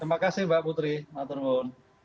terima kasih mbak putri maturnuun